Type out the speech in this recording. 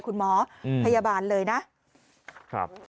คุณหมอพยาบาลเลยนะครับ